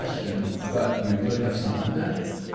But you could have summoned them